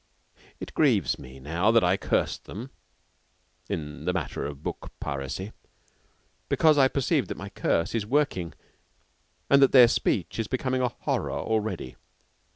It grieves me now that I cursed them (in the matter of book piracy), because I perceived that my curse is working and that their speech is becoming a horror already.